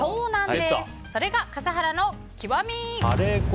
それが笠原の極み。